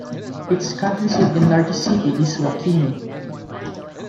Its county seat and largest city is WaKeeney.